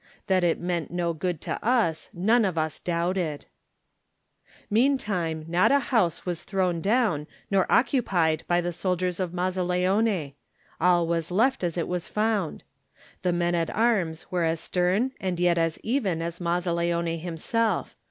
That it meant no good to us none of us doubted. Meantime not a house was thrown down nor occupied by the soldiers of Mazzaleone; Digitized by Google THE NINTH MAN all was left as it was found. The men at arms were as stem and yet as even as Maz zaleone himself.